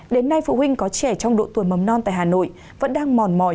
đến nay phụ huynh có trẻ trong độ tuổi mầm non tại hà nội vẫn đang mòn mỏi